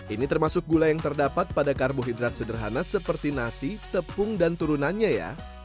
ini termasuk gula yang terdapat pada karbohidrat sederhana seperti nasi tepung dan turunannya ya